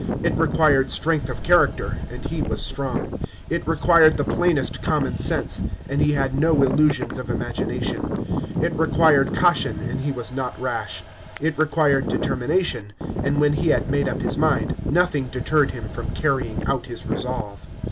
It required strength of character, and he was strong ; it required the plainest common sense, and he had no illusions of imagination ; it required caution, and he was not rash ; it required determination, and when he had made up his mind, nothing deterred him from, carrying out his resolve.